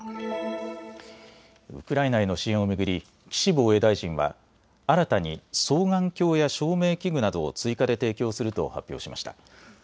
ウクライナへの支援を巡り岸防衛大臣は新たに双眼鏡や照明器具などを追加で提供すると発表しました。